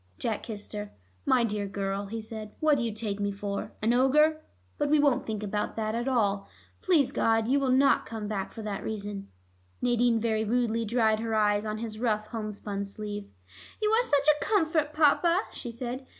Jack kissed her. "My dear girl," he said, "what do you take me for? An ogre? But we won't think about that at all. Please God, you will not come back for that reason." Nadine very rudely dried her eyes on his rough homespun sleeve. "You are such a comfort, Papa," she said.